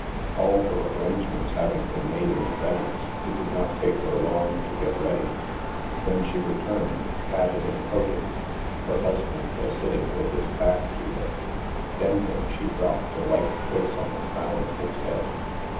All her arrangements having been made in ad vance, it did not take her long to gel ready. When she retuhied, hatted and coated, her husband was sitting with his back to her. Bending, she dropped a light kiss on the crown of his head.